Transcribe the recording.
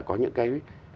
có những cái